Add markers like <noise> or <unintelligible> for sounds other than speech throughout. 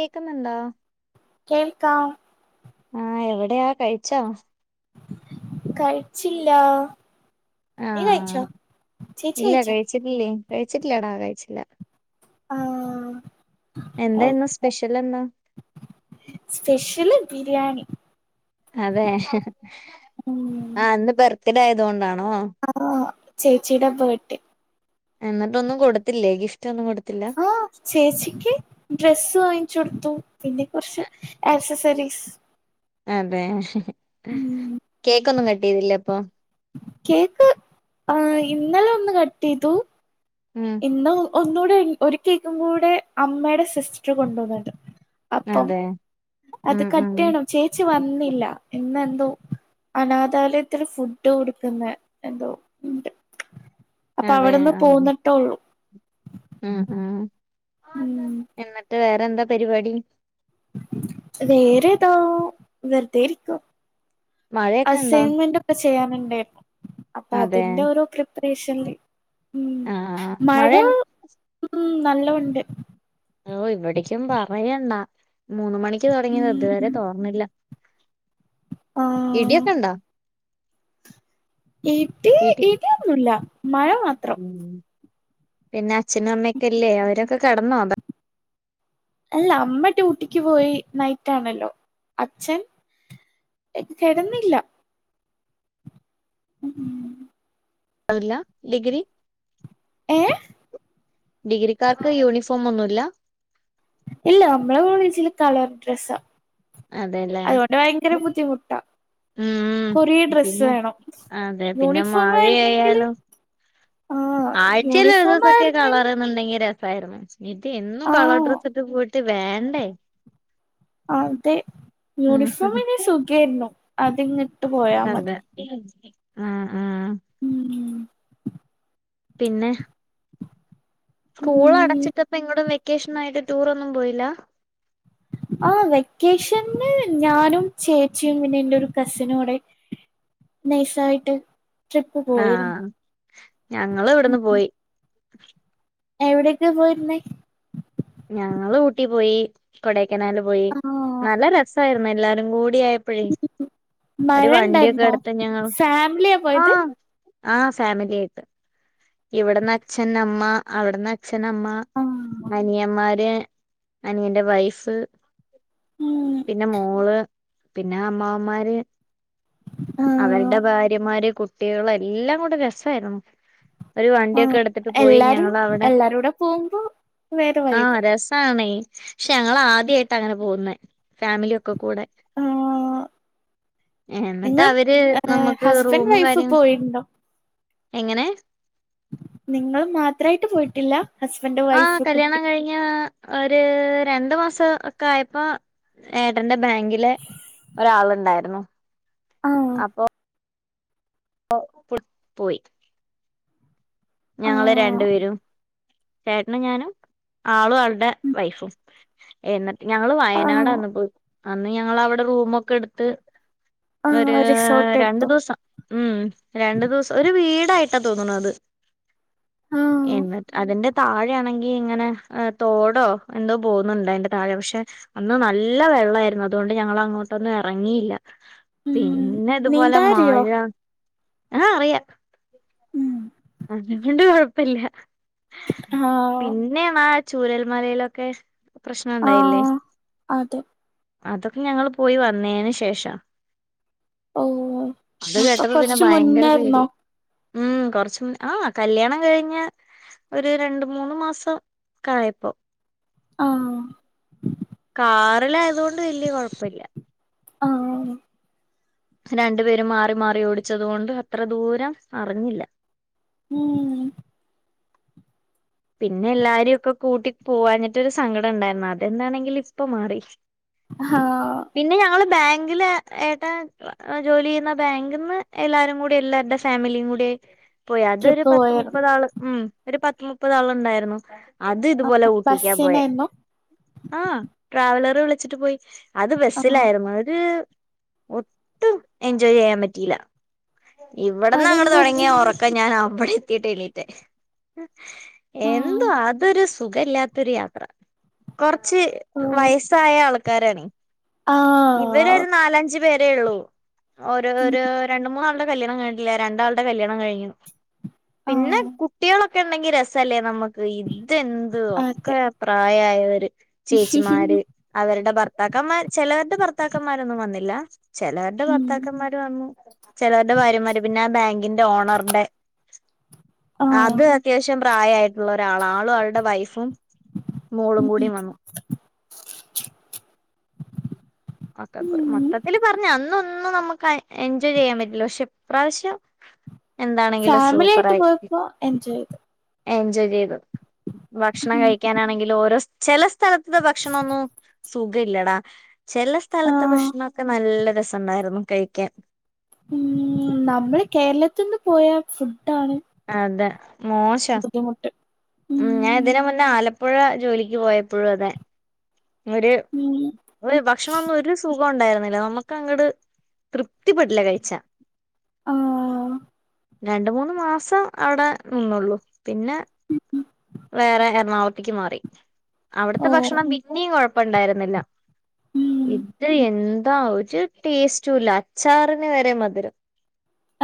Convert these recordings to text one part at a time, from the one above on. കേക്കുന്നുണ്ടോ കേൾക്കാം ആ എവിടെയാ കഴിച്ചോ കഴിച്ചില്ല നീ കയിച്ചോ ആഹ് ചേച്ചി കയിച്ചോ കഴിച്ചില്ലാടാ കഴിച്ചില്ല ആഹ് എന്തെ ഇന്ന് ഓക്കെ സ്പെഷ്യൽ എന്താ സ്പെഷ്യല് ബിരിയാണി അതെ ആ അന്ന് ബർ തിന്റായത്കൊണ്ടാ ആ ചേച്ചിടെ ബേടെ എന്നിട്ടൊന്നും കൊടുത്തില്ലേ ഗിഫ് ആഹ് ചേച്ചിക്ക് ഡ്രെസ്സ് വാങ്ങിച്ചു കൊടുത്തു പിന്നെ കൊറച്ച് ആക്സസ സറീസ് അതെ കേക്കൊന്നും കട്ട് ട്ടെയ്തില്ലേ അപ്പൊ കേക്ക് ആ ഇന്നലെ ഒന്ന് ക ട്ടയ്തു ഉം ഇന്ന് ഒന്നോ ഒര് കേക്കും കൂടെ അമ്മടെ സിസ്റ്റർ കൊണ്ടുവന്നത് അതെ അത് ഉം ഉം കട്ടയ്യണം ചേച്ചി വന്നില്ല ഇന്ന് ബ്രോ അനാഥാലയത്തിൽ ഫുഡ് കൊടുക്കുന്ന എന്തോ ഉണ്ട് അപ്പൊ അതെ അവിടെന്ന് ആഹ് പോന്ന്ട്ട് ഉള്ളൂ ഉം ഉം ഉം എന്നിട്ട് വേ അവിടെന്താ പരിപാടി വേറെ താ വെറുതെ ഇരിക്കും മഴയൊക്കെ ഉണ്ടോ അസ്സയ്ൻമെന്റൊക്കെ സ ചെയ്യാനുണ്ടെർന്നു അപ്പൊ അതെ അതിന്റെ ഒരു പ്രി പ്രെഷൻല്ല് ഉം മഴ ഉം നല്ലോം ഇണ്ട് ഓ ഇവിടേക്കും പറയണ്ടാ മൂന്ന് മണിക്ക് തോടങ്ങിയത ഇതുവരെ തോർന്നില്ല ആ ഇടിയൊക്കെ ഉണ്ടോ ഇടി വീട്ടിൽ ഇടി ഒന്നുല മഴ മാത്രം പിന്നെ അച്ഛനും അമ്മക്കെല്ലേ അവരൊക്കെ കടന്നോ ബ അല്ല അമ്മ ട്യൂട്ടിക്ക് പോയി നൈറ്റണല്ലോ അച്ഛൻ കെടന്നില്ല ഉം അതല്ല ഡിഗ്രി ഏഹ് ഡിഗ്രിക്കാർക്ക് യൂണിഫോം ഒന്നുല്ല ഇല്ല അമ്മളെ കോളേജില് കളർ ഡ്രസ്സാ അതെല്ലേ അതുകൊണ്ട് ഭയങ്കര ബുദ്ധിമുട്ടാ ഉം കൊറേ ഡ്രസ്സ് പിന്നെ വേണം അതെ യൂണിഫോം ആയിരുന്നെങ്കില് ആഹ് ആഴ്ചേല് ഒരു യൂണിഫോം സൊക്കെ ആയിരുന്നില്ല കളർന്നുണ്ടെങ്കി ര സയിരുന്നു ഇത് എന്നും കളർ ആഹ് ഡ്രസ്സിട്ട് പോയി വേണ്ടേ അതെ ഉം യൂണിഫോം നി സുഖേരുന്നു അ എങ് നന്ന് ആ ആ ഉം പിന്നെ സ്കൂൾ ഉം അടച്ചിട്ടപ്പ എങ്ങോടും വേ വെക്കേഷന ആായിട്ട് ടൂറ ഒന്നും പോയില്ല ആ വെക്കേഷന് ഞാനും ചേച്ചിയും പിന്നെ എന്റെ ഒരു കസിനോൂടെ നൈസായിട്ട് ട്രിപ്പ് ആഹ പോയിരുന്നു ഞങ്ങള് ഇവിടുന്ന് പോയി <inaudible> എവിടെയൊക്കെ പോയിരുന്ന ഞങ്ങള് ഊട്ടി പോയി കൊട കനാല് പോയി ആഹ് നല്ല രസമായിരുന്നു എല്ലാരും കൂടി പ്പോഴേ ഒരു മഴ വണ്ടിയൊക്കെ ഇണ്ടായിരുന്നോ എടുത്ത ഞങ്ങ ഫാമിലിയാ ആ പോയത് ആഹ ഫാമിലി ആയിട്ട് ഇവിടന്ന് അച്ഛൻ അമ്മ അവിടന്ന് അച്ക്ഷഛനമ്മ ആഹ് അനിയമാര് അന എന്റെ വൈഫ് ഉം പിന്നെ മോള് പിന്നെ അമ്മാവമാര് ആഹ് അവരുടെ ഭാര്യമാരെ കു കുട്ടികള എല്ലാം കൂടെ രസമായിരുന്നു ഒരു വണ്ടിയൊക്കെ ആഹ് എടുത്തിട്ട് പോയി എല്ലാരും ഞങ്ങവിടെ എല്ലാരൂടെ പോകുമ്പോ വേറെ ആഹ വൈബ് രസണ പക്ഷെ ഞങ്ങ ആദ്യായിട്ട് അങ്ങനെ പോകുന്ന ഫാമിലി കൂടെ ആഹ് എന്നിട്ട് നിങ്ങൾ അവര് ഏഹ് നമ്മുക്ക് ഹസ്ബൻഡ് റൂമും വൈഫ് കാര്യം പോയിട്ടുണ്ടോ എങ്ങനെ നിങ്ങൾ മാത്രായിട്ട് പോയിട്ടില്ല ഹസ്ബൻഡ് ആഹ വൈഫ് കുട്ടി കല്യാണം കഴിഞ്ഞ ഒരു രണ്ട് മാസം ഒക്കെ ആയപ്പോ ഏടണ്ട ബാങ്കിലെ ഒരാളുണ്ടായിരുന്നു ആഹ് അപ്പൊ പോയി ഞങ്ങള് രണ്ടു ആഹ് പേരും ചേട്ടന് ഞാനും ആളും ആളുടെ വൈഫും എന്ന ഞങ്ങള് ആഹ് വയനാടാന്ന് പോയി അന്ന് ഞങ്ങ അവിടെ റൂമ ഒക്കെ എടുത്ത് ഒരു ആഹ് റിസോർട്ട് രണ്ടു എടുത്തോ ദിവസം ഉം രണ്ടു ദിവസം ഒരു വീടായിട്ട് കേട്ട തോന്നണ അത് ആഹ് എന്ന അതിന്റെറെ താഴെ ആണെങ്കി ഇങ്ങനെ തോടോ എന്തോ പോുന്നുണ്ട അതിന്റെ അതുകൊണ്ട് ഞങ്ങ അങ്ങോട്ടൊന്നും ഇറങ്ങിയില്ല ഉം പിന്നെ ഇതുപോലെ നീന്താറിയോ മഴ ആഹ അറിയ ഉം അതുകൊണ്ട് കൊഴപ്പല്ല ആഹ് പിന്നെ മാ ചൂരൽ മലയിലൊക്കെ ആഹ് അതെ അതൊക്കെ ഞങ്ങള് പോയി വന്നേയ്ന് ശേഷാ ഓഹ് അത് അപ്പൊ കേട്ടപ്പോ പിന്നെ കൊറച്ച് ഭയങ്കര പേട്യേ മുന്നായിരുന്നോ ഉം കൊറച് ഉം ആഹ് കല്യാണം കഴിഞ്ഞ് ഒരു രണ്ട് മൂന്ന് മാസം ക്കായപ്പോ ആഹ് കാറിലയത് കൊണ്ട് വല്ല്യ കൊഴപ്പല്ല്യ ആഹ് രണ്ടു പേരും മാറി മാറി ഓടിച്ചതുകൊണ്ട് അത്ര ദൂരം അറിഞ്ഞില്ല ഉം പിന്നെ എല്ലാരി ഒക്കെ കൂട്ടി പൂവാഞ്ഞിട്ട്ടോരു സങ്കടം ഇണ്ടായിന്നു അതെന്താണെങ്കിലും ഇപ്പ മാറി. ആഹ് പിന്നെ ഞങ്ങള് ബേ ങ്കില് ഏട്ടൻ ജോലി ചെയ്യുന്ന ബാങ്കിന്ന് എല്ലാരും കൂടി എല്ലാര്ടെ ഫാമിലിയും കൂടി പോയി അതൊരു ട്രിപ്പ് പത്ത് പോയാരുന്നു മുപ്പത് ആള് ഉം ഒരു പത് മുപ്പതാള് ഇണ്ടായിരുന്നു അത് ഇതുപോലെ ആഹ് ഊട്ടിക്കാ പോയേ ബസ്സിനായിരുന്നോ ആ ട്രാവല റ് വിളിച്ചിട്ട് പോയി അത് ആഹ് ബസ്സിലായിരുന്നു ഒര് ഒട്ടും എൻജോയ് ചെയ്യാൻ പറ്റീല ഇവിടന്നെ അങ്ങടെ അതെന്ത് പറ്റി തുടങ്ങിയ ഉറക്കം ഞാൻ അവിടെ- ട്ടല്ലട്ട <unintelligible> ആഹ് എന്തുവ അതൊരു സ് സുഖ ഇല്ലാത്തൊരു യാത്ര, കൊറ ച്ച് ഓഹ് വയസ്സായ ആൾ കാരാണി. ആഹ് ഇവരൊരു നാലഞ്ച് പേര്. ഏ ഉള്ളൂ. ഒരു ഒരു രണ്ട് മൂന്നാൾടെ കല്യാണം കഴിഞ്ഞിട്ടില്ല, രണ്ടാളുടെ കല്യാണം കഴിഞ്ഞു. പിന്നെ ആഹ് കുട്ടികളൊ ഇക്ക ഉണ്ടെങ്കി രസ അല്ലേ നമുക്ക് ഇത്. ഇതെന്ത് അതെ ഒക്കെ പ്രായയ് ആര്? ചേച്ചിമാര് അവരുടെ ഭർ ഭർത്താക്കന്മാർ ചെലർടെ ഭർത്താക്കന്മാരൊന്നും വന്നില്ല. ചെലവർടെ ഭർത്താക്കന്മാരെ വന്നു, ചിലവരുടെ ഭാര്യന്മാര് പിന്നാ ബാങ്കിന്റെ ഓണറിന്റെ ആഹ് അതെ. അത്യാവശ്യം പ്രായമായിട്ടുള്ളൊരാളാ ആളും ആയാളുടെ വൈഫും മോളും കൂടി വന്നു ക്കെക്ക മൊത്തത്തില് പറഞ്ഞാ അന്നും ഒന്നും നമ്മക്കാ എൻജോയ് ചെയ്യാൻ പറ്റില്ല പക്ഷെ ഇപ്രാവശ്യം എന്താണെങ്കിലും ഫാമിലി ആയിട്ട് സൂപ്പറായി പോയപ്പോ എൻജോയ് ചെയ്തു എൻജോയ് ചെയ്തു ഭക്ഷണം കഴിക്കാനാണെങ്കിലോരോ സ് ചെല സ് സ്ഥലത്തെ ഭക്ഷണൊന്നും സുഖ ഇല്ലടാ ചെല സ്ഥലത്തെ ആഹ് ഭക്ഷണമൊക്കെ നല്ല രസോണ്ടായിരുന്നു കഴിക്കാൻ ഉം നമ്മളെ കേരളത്തീന്ന് പോയാ ഫുഡ് അതെ മോശം ബുദ്ധിമുട്ട് ഉം ഞാൻ ഇതിനു മുന്നേ ആലപ്പ് പ്പുഴാ ജോലിക്ക് പോയപ്പഴും അതെ ഒരു ഉം ഒരു ഭക്ഷണം ഒന്നും ഒരു സുഖോണ്ടായി വെല നമുക്കങ്ങോട്ടെ തൃപ്തിപ്പെട്ടി ല്ല കഴിച്ചാ ആഹ് രണ്ടു മൂന്ന് മാസം അവിടെ നിന്നൊ ഒള്ളൂ പിന്നെ <unintelligible> ക്ക് മാറി - അവിടുത്തെ ഓഹ് ഭക്ഷണം പിന്നെയും കൊഴ- ഇപ്പൊണ്ടായിരുന്നില്ല ഉം ഇത് എന്താ ഒരു ടേസ്റ്റുമില്ല അച്ചാറിന് വരെ മധുരം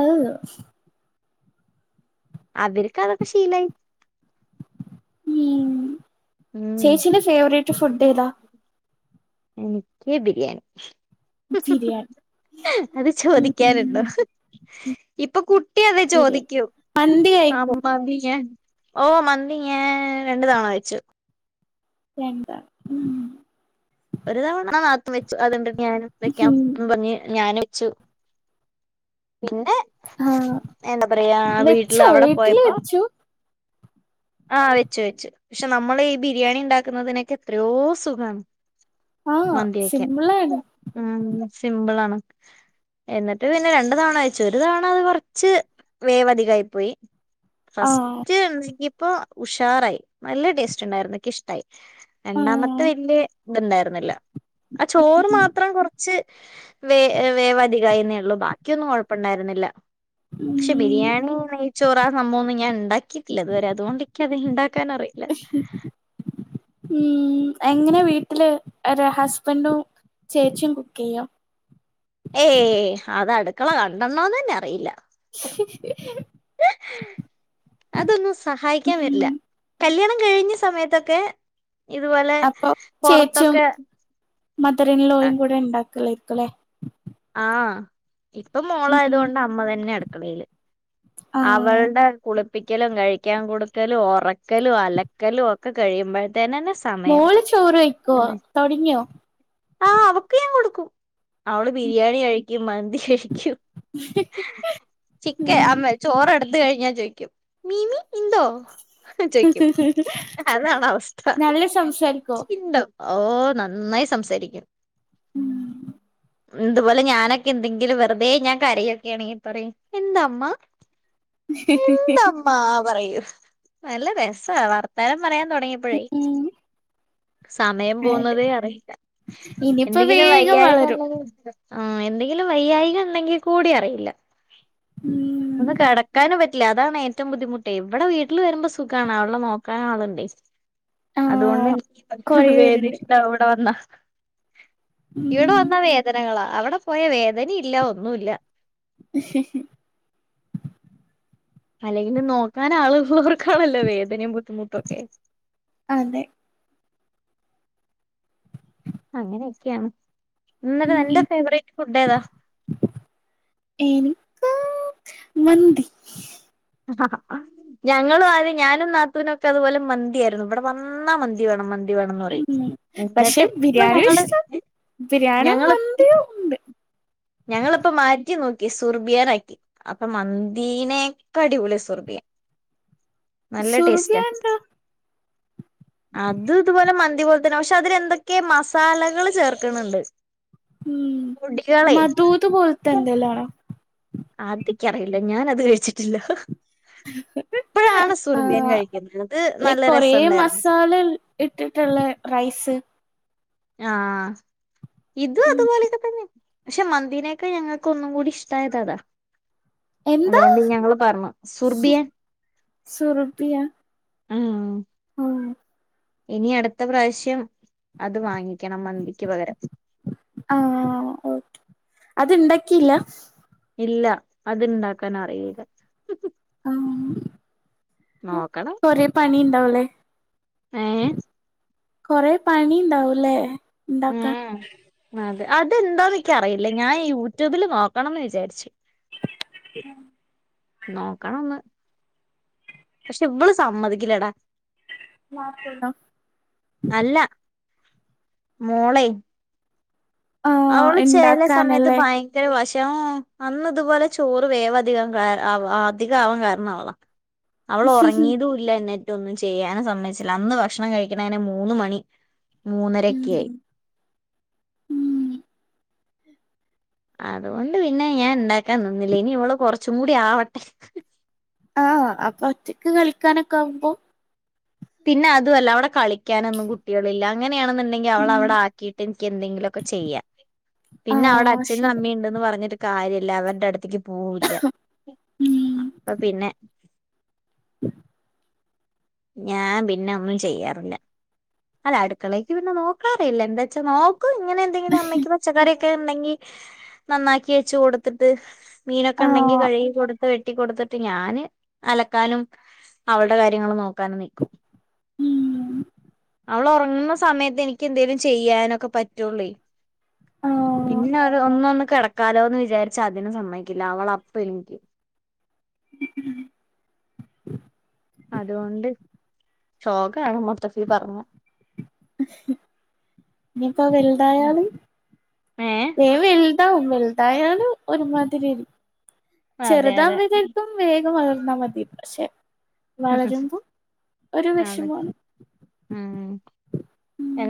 ആവ്- അവരക്ക്അതൊക്കെ ശീലായി- ഉം ഉം ചേച്ചിന്റെ ഫേവറേറ്റ് ഫുഡേതാ- എനിക്ക് ബിരിയാണി- ബിരിയാണി അത് ഉം ചോദിക്കാനുണ്ടോ- ഇപ്പൊ കുട്ട് കുട്ടി അത് ബിരിയാണി ചോദിയ്ക്കും മന്തി കഴിക്കോ അബവികാൻ- ഓ മന്തി ഞാൻ രണ്ടു തവണ കയി ച്ചു- എന്താ ഉം- ഒരു തവണ ആ നാത്തൂ വെച്ചു അതുണ്ട് - ഞാനും വെക്കാൻ പർഞ്ഞ് ഞാനും- ച്ചു പിന്നെ- ആഹ് എന്താ പറയാ വീട്ടില് വെച്ചോ അവിടെ വീട്ടില് പോയപ്പോ- വെച്ചു ആഹ് വെച്ചു വെച്ചു പക്ഷെ നമ്മളീ ബിരിയാണി ഉണ്ടാക്കുന്നതിനൊക്കെ എത്രയോ സുഖാണ്- ആഹ് മന്തിയൊക്ക സിമ്പിളാണ് ഉം സിമ്പിളാണ്- എന്നിട്ട് പിന്നെ രണ്ടു തവണ വച്ചു ഒരു തവണ അത് കൊറച്ച് വേവധികായി പോയി ഫസ്റ്റ് ആഹ് ഇപ് ഇപ്പൊ ഉഷാറായി നല്ല ടേസ്റ്റ് ഉണ്ടായിരുന്നു ക്ക് ഇഷ്ടായി രണ്ടാമത്തെ ആഹ് വല്യ ഇത്ണ്ടായിര്ന്നില്ല ആഹ് ചോറ് മാത്രം കൊറച്ച് വേ വേവധികായിന്നേ ഉള്ളൂ ബാക്കിയൊന്നും കൊഴപ്പണ്ടായിരുന്നില്ല പക്ഷെ ഉം ബിരിയാണി നെയ്ച്ചോറ് സംഭംവൊന്നും ഞാൻ ണ്ടാക്കി ക്കിട്ടില്ല ഇതുവരെ അതുകൊണ്ട് ക്കതിണ്ടാക്കാൻ ഉം എങ്ങനെ വീട്ടില് ഒരു ഹസ്ബൻഡും ചേച്ചിയും കുക്ക് ചെയ്യൊ? ഏയ് അത് അടുക്കള കണ്ടണ്ണോന്നന്നെ അറിയില്ല അതൊന്നും സഹായിക്കാൻ വരില്ല ഉം കല്യാണം കഴിഞ്ഞ സമയത്തൊക്കെ ഇതുപോലെ അപ്പൊ ചേച്ചും പൊറത്തൊക്കെ മദറിൻലോയും കൂടെ ഉണ്ടാക്കും ണ്ടാകേക്കുലേ ആഹ് ഇപ്പം മോളായത് ഉം കൊണ്ട് അമ്മ തന്നെ അടുക്കളീല് ആഹ് അവൾടെ കുളി പ്പിക്കലും കഴിക്കാൻ കൊടുക്കലും ഒറക്കലും അലക്കലും ഒക്കെ കഴിയുമ്പോ ത്തേനെന്നെ സമയം മോള് ചോറ് കഴിക്കോ തൊടങ്ങിയോ ആ അവക്ക് ഞാൻ കൊടുക്ക അവള് ബിരിയാണി കഴിക്കും മന്തി കഴിക്കും ചിക്കേ ഉം അമ്മേ ചോറ് എടുത്ത കഴിഞ്ഞാ ചോയി മീമി ഇന്തോ ചോയ്ക്കും അതാണ് അവസ്ഥ നല്ല സംസാരിക്കുവോ ഇണ്ടോ ഓ നന്നായി സംസാരിക്കും ഉം ഇതുപോലെ ഞാനൊക്കെ എന്തെങ്കിലും വെറുതെ ഞാൻ കരയൊക്കൊണെങ്കിൽ പറയും എന്താമ്മ എന്താമ്മ പറയും നല്ല രസാ വർത്താനം പറയാൻ തുടങ്ങിയപ്പോഴേ സമയം അതെ പോന്നതേ അറിയില്ല ഇനിയിപ്പോ എന്തെങ്കിലും വേഗം വളരും വയ്യായികണ്ടെങ്കി ആഹ് എന്തെങ്കിലും വയ്യായിക ഉണ്ടെങ്കിൽ കൂടി അറിയില്ല ഉം ഒന്ന് കിടക്കാനും പറ്റ ല്ല അതാണ് ഏറ്റവും ബുദ്ധിമുട്ടേ ഇവിടെ വീട്ടിൽ വരുമ്പോ സുഖാണ് അവളെ നോക്കാൻ ആളുണ്ടേ അതുകൊണ്ട് ആഹ് എനിക്ക് കൊറേ വേദി പേരുണ്ട് ഇഷ്ടാ ഇവിടെ വന്നാ ഇവിടെ ഉം വന്ന വേ ങ്ങള അവിടെ പോയാ വേദനിംഇല്ല ഒന്നുല്ല <unintelligible> അല്ലെങ്കിലും നോക്കാൻ ആളുള്ളോർക്കാണല്ലോ വേദനയും ബുദ്ധിമുട്ടുമൊക്കെ അതെ അങ്ങനെയൊക്കെയാണ് എന്നട്ട് ഉം നിന്റെ ഫേവറേറ്റ് ഫുഡ് ഏതാ എനിക്ക് മന്തി ആ ഞങ്ങളും ആദ്യം ഞാനും നാത്തൂനുവൊക്കെ അതുപോലെ മന്തിയായിരുന്നു ഇവിടെ വന്നാ മന്തി വേണം മന്തി വേണംന്ന് പറയും ഉം പക്ഷെ എന്നിട്ട് ഇപ്പൊ ബിരിയാണിയും ഇഷ്ടവാ ഞങ്ങള് ബിരിയാണിയോ മന്തിയോ ഉണ്ട് ഞങ്ങൾപ്പ മാറ്റി നോക്കി സുർബിയാനാക്കി അപ്പൊ മന്തീനെക്കാ അടിപൊളിയാ സുർബിയാ സുർബിയ എന്തുവാ അത് ഇതുപോലെ മന്തി പോലെ തന്നെ പക്ഷെ അതിലെന്തൊക്കേ മസാലകള് ചേർക്ക്ണ് ണ്ട് ഉം മ തൂത് പോൽത്തന്നെ ലേ അതിക്ക് അറിയില്ല ഞാനത് കഴിച്ചി ആ സുർബിയൻ കഴിക്കുന്നത് അത് നല്ല ലൈക്ക് കൊറേ രസണ്ടായിരുന്നു മസാല ഇട്ടിട്ടുള്ള റൈസ് ആഹ് ഇതും അത്പോലൊക്കെ തന്നെ പക്ഷെ മന്തീനേക്കാ ഞങ്ങക്ക് ഒന്നും കൂടി ഇഷ്ടായത് അതാ എന്താ അതുകൊണ്ട് ഞങ്ങള് പർണു സുർബിയാൻ സുർബിയാൻ ആഹ് ആഹ് ഇനി അടുത്ത പ്രാവശ്യം അത് വാങ്ങിക്കണം മന്തിക്ക് പകരം ക്കിയില്ലാ ഇല്ല അത്ണ്ടാക്കാൻ അറിയില്ല ആഹ് നോക്കണം <unintelligible> <unintelligible> ഏ കൊറേ പണിണ്ടാവും ല്ലെ ഉം അതെ അതെന്താന്ന് എനിക്കറിയില്ല ഞാൻ യൂട്യൂബില് നോക്കണംന്ന് വിചാരിച്ചു <inaudible> നോക്കണം ഒന്ന് പക്ഷെ ഇവള് സമ്മതിക്കില്ലെടാ മാർക്കുണ്ടോ മോളെയ്‌ ആഹ് അവള് ചെല സമയത്ത് ഇണ്ടാക്കാനല്ലേ ഭയങ്കര വാശി <unintelligible> അന്ന് ഇതുപോലെ ചോറ് വേവധികാ കാൻ അധികാവാൻ കാരണം അവളാ അവള് ഒറങ്ങിയതും ഇല്ല എന്നേ ഒന്നും ചെയ്യാനും സമ്മതിച്ചില്ല അന്ന് ഭക്ഷണം കഴിക്കണതന്നെ മൂന്ന് മണി മൂന്നരയൊക്കെ ഉം ആയി ഉം അതുകൊണ്ട് പിന്നെ ഞാൻ ഇണ്ടാക്കാൻ നിന്നില്ല ഇനി ഇവള് കുറച്ചും കൂടി ആവട്ടെ ആഹ് അപ്പൊ ഒറ്റക്ക് കളിക്കാനൊക്കെ ആകുമ്പോ പിന്നെ അതും അല്ല അവിടെ കളിക്കാനൊന്നും കുട്ടികളില്ല. അങ്ങനെയാണെന്നുണ്ടെങ്കിൽ അവളെ അവിടെ ആക്കിയിട്ട് എനിക്ക് എന്തെങ്കിലും ഒക്കെ ചെയ്യാ പിന്നെ അവിടെ ആഹ് അച്ഛനും ശരി അമ്മേം ണ്ടെന്ന് പറഞ്ഞിട്ട് കാര്യല്ല അവര്ടെ അടുത്തേക്ക് പോവില്ല അപ്പൊ പിന്നെ <inaudible> ഞാൻ പിന്നെ ഒന്നും ചെയ്യാറില്ല. അല്ല അടുക്കളേക്ക് പിന്നെ നോക്കാറേ ഇല്ല എന്താച്ചാ ഇങ്ങനെ എന്തെങ്കിലും അമ്മക്ക് പച്ചക്കറി <unintelligible> ഉണ്ടെങ്കിൽ നന്നാക്കി വെച്ച് കൊടുത്തിട്ട് മീനൊക്കെ ഉണ്ടെങ്കി ആഹ് കഴുകി കൊടു വെട്ടിക്കൊടുത്തിട്ട് ഞാന് അലക്കാനും അവള്ടെ കാര്യങ്ങളും നോക്ക നൊക്കെ നിക്കും. അവൾ ഉറങ്ങുന്ന സമയത്ത് എനിക്ക് എന്തേലും ചെയ്യാനൊക്കെ പറ്റൊള്ളേയ്‌ ആഹ് പിന്നെ ഒരു ഒന്നൊന്ന് കിടക്ക ക്കാലോന്ന് വിചാരിച്ച അതിനും സമ്മയ്‌ക്കില്ല അവള് അപ്പൊ എണീക്കും ഉം അതുകൊണ്ട് ശോകാണ് മൊത്തത്തിൽ പറഞ്ഞാ ഇനിപ്പോ വെലുതായാലും ഏ <unintelligible> <unintelligible> ഒരുമാതിരി അതെ അതെ ചെറുതാകുമ്പോ ചെലപ്പം വേഗം വള ന്ന മതി പക്ഷെ വളരുമ്പോ <unintelligible> ഒരു അതെ വെഷമാണ് ആ ഉം <unintelligible>